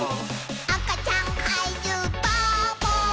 「あかちゃんかいじゅうばーぼー」